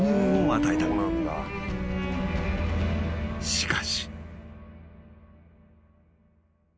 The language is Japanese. ［しかし］